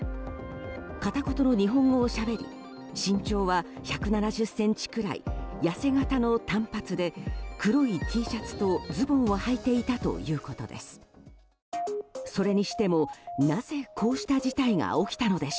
片言の日本語をしゃべり身長は１７０ｃｍくらい痩せ形の短髪で黒いＴシャツとズボンをはいていたということです。